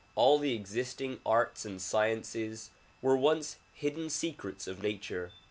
All the existing arts and sciences were once hidden secrets of nature.